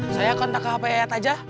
saya kontak ke hp yayat aja